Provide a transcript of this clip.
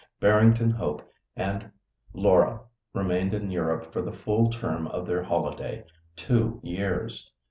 Barrington Hope and Laura remained in Europe for the full term of their holiday—two years.